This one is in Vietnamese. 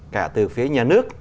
cả từ phía nhà nước